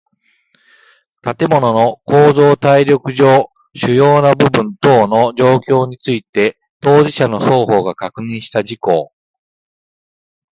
建物の構造耐力上主要な部分等の状況について当事者の双方が確認した事項